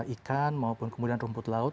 ikan maupun kemudian rumput laut